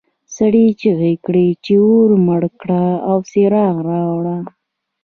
سړي چیغې کړې چې اور مړ کړه او څراغ راوړه.